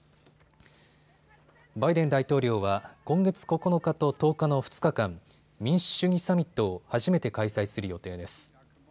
バイデン大統領は今月９日と１０日の２日間、民主主義サミットを初めて開催する予定です。